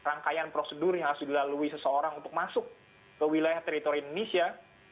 sekarang sudah ada obat prosedur yang harus dilalui seseorang untuk masuk ke wilayah teritori indonesia